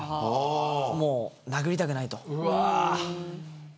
もう殴りたくないと。